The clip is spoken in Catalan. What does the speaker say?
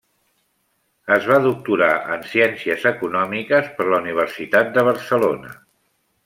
Es va doctorar en Ciències Econòmiques per la Universitat de Barcelona.